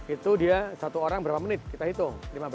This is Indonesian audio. itu dia satu orang berapa menit kita hitung